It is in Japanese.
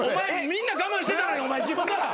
みんな我慢してたのにお前自分から。